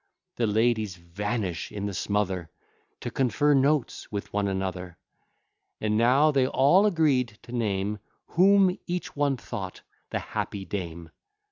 The ladies vanish in the smother, To confer notes with one another; And now they all agreed to name Whom each one thought the happy dame.